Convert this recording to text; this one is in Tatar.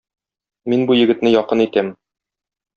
Мин бу егетне якын итәм.